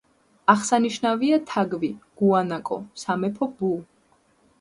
აღსანიშნავია თაგვი, გუანაკო, სამეფო ბუ.